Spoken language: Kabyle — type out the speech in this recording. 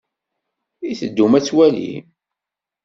I teddum ad twalim?